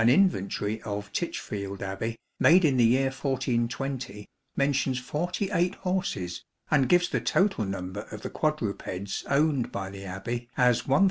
45 inventory of Titchfield Abbey, made in the year 1420 mentions forty eight horses, and gives the total number of the quadrupeds owned by the Abbey as 1440.